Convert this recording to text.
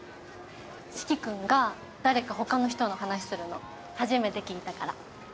四鬼君が誰か他の人の話するの初めて聞いたから。